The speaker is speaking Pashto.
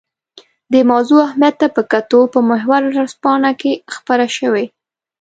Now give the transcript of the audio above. د موضوع اهمیت ته په کتو په محور ورځپاڼه کې خپره شوې.